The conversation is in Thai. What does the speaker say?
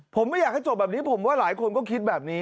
ผมไม่อยากให้จบแบบนี้ผมว่าหลายคนก็คิดแบบนี้